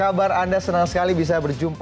kabar anda senang sekali bisa berjumpa